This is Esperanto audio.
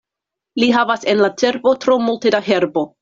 Li havas en la cerbo tro multe da herbo.